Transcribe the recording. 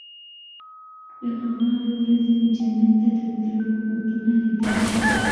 له هماغې ورځې مې جنت ته د تلو خوبونه ليدل.